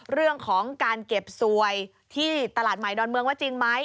เรื่องของการเก็บสวยที่ตลาดใหม่ดอนเมืองว่าจริงไหม